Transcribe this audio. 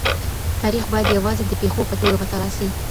تاریخ باید یوازې د پېښو په توګه مطالعه سي.